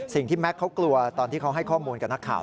แม็กซเขากลัวตอนที่เขาให้ข้อมูลกับนักข่าว